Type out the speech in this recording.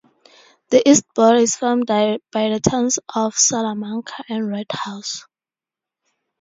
The east border is formed by the towns of Salamanca and Red House.